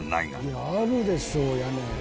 いやあるでしょ屋根。